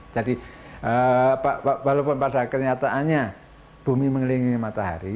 jadi walaupun pada kenyataannya bumi mengelilingi matahari